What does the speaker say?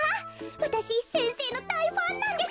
わたしせんせいのだいファンなんです！